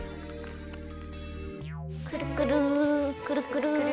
クルクル。